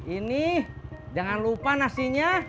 ini jangan lupa nasinya